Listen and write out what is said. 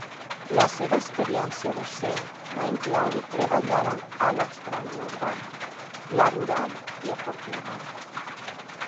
La seva experiència docent va incloure treballar a l'Austràlia urbana, la rural i a Portugal.